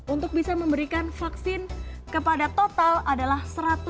untuk bisa memberikan vaksin kepada total adalah